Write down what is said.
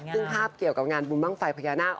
ซึ่งภาพเกี่ยวกับงานบุญบ้างไฟพญานาค